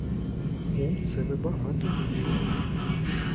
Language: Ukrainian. У, це ви багато їм!